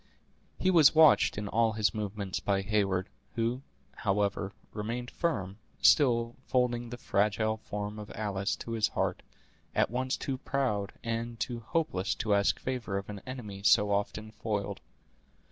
He was watched in all his movements by Heyward, who, however, remained firm, still folding the fragile form of Alice to his heart, at once too proud and too hopeless to ask favor of an enemy so often foiled.